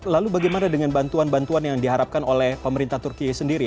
lalu bagaimana dengan bantuan bantuan yang diharapkan oleh pemerintah turkiye sendiri